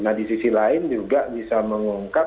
nah di sisi lain juga bisa mengungkap